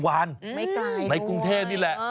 ไม่กลายด้วยในกรุงเทศนี่แหละ